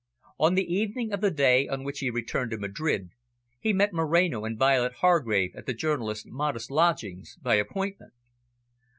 On the evening of the day on which he returned to Madrid, he met Moreno and Violet Hargrave at the journalist's modest lodgings, by appointment.